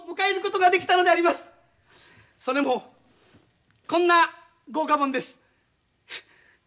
それもこんな豪華本です。